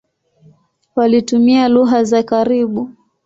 Walitumia lugha za karibu.